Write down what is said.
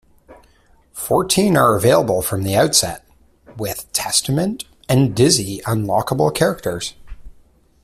Fourteen are available from the outset, with Testament and Dizzy unlockable characters.